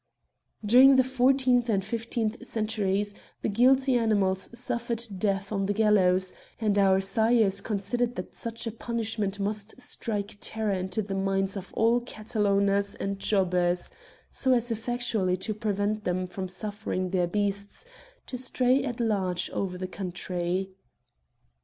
60 Queer Culprits During the fourteenth and fifteenth centuries, the guilty animals suffered death on the gallows, and our sires considered that such a punishment must strike terror into the minds of all cattle owners and jobbers, so as effectually to prevent them from suffering their beasts to stray at large over the country.